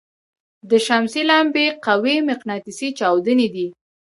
د شمسي لمبې قوي مقناطیسي چاودنې دي.